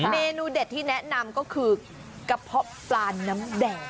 เมนูเด็ดที่แนะนำก็คือกระเพาะปลาน้ำแดง